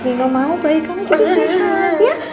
minum mau bayi kamu jadi sehat ya